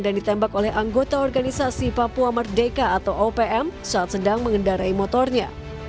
ditembak oleh anggota organisasi papua merdeka atau opm saat sedang mengendarai motornya